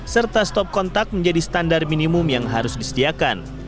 serta stop kontak menjadi standar minimum yang harus disediakan